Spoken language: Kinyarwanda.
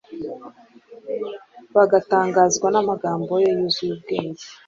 bagatangazwa n'amagambo ye yuzuye ubwenge,